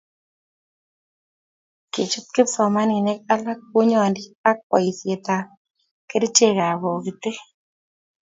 kichut kipsomanik alak bunyondit ak boisietab kerchekab bokitik